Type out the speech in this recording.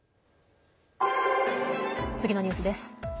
次のニュースです。